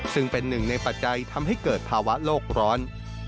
ซึ่งเป็นหนึ่งในปัจจัยทำให้เกิดภาวะโลกร้อน